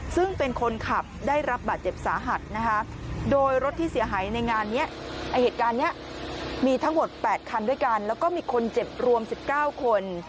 ซึ่งเป็นคนขับได้รับบาดเจ็บสาหัสนะคะโดยรถที่เสียหายในงานนี้เหตุการณ์นี้มีทั้งหมด๘คันด้วยกันแล้วก็มีคนเจ็บรวม๑๙คน